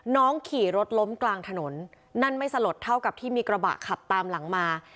ขี่รถล้มกลางถนนนั่นไม่สลดเท่ากับที่มีกระบะขับตามหลังมา